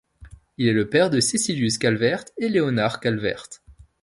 Il est le père de Cecilius Calvert et Leonard Calvert.